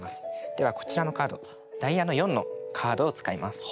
ではこちらのカードダイヤの４のカードを使います。